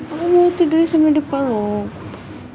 aku mau tidur saya bener bener dipeluk